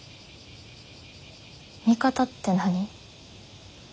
味方って何？